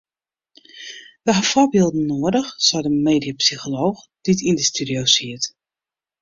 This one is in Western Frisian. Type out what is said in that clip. We ha foarbylden noadich sei de mediapsycholooch dy't yn de studio siet.